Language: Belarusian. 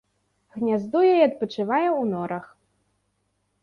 Гняздуе і адпачывае ў норах.